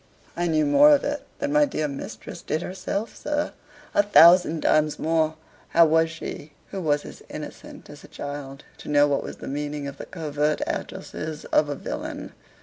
"I knew more of it than my dear mistress did herself, sir a thousand times more. How was she, who was as innocent as a child, to know what was the meaning of the covert addresses of a villain?"